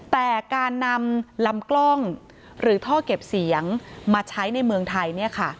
แต่การนำลำกล้องหรือท่อเก็บเสียงมาใช้ในเมืองไทย